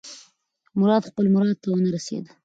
مراد خپل مراد ته ونه رسېد.